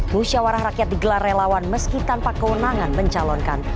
musyawarah rakyat digelar relawan meski tanpa kewenangan mencalonkan